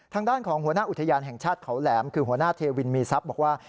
ทางด้านของหัวหน้าอุทยานแห่งชาติเขาแหลมคือหัวหน้าเทวินมีทรัพย์บอกว่า